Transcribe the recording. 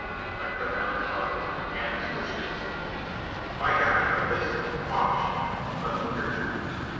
I cut down the volume. Hanley switched in. "By God. Phil! This " "Off, Chief! Let me hear, too!"